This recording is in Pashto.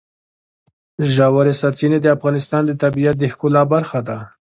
ژورې سرچینې د افغانستان د طبیعت د ښکلا برخه ده.